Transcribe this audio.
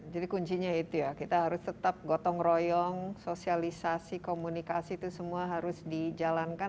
jadi kuncinya itu ya kita harus tetap gotong royong sosialisasi komunikasi itu semua harus dijalankan